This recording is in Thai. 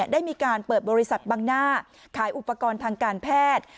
ได้มีการเปิดบริษัทบังหน้าขายอุปกรณ์ทางการแพทย์